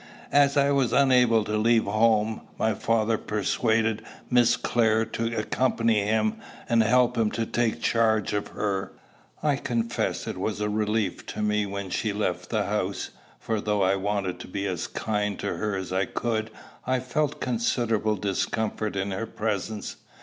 As I was unable to leave home, my father persuaded Miss Clare to accompany him and help him to take charge of her. I confess it was a relief to me when she left the house; for though I wanted to be as kind to her as I could, I felt considerable discomfort in her presence.